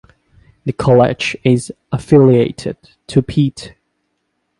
The college is affiliated to Pt.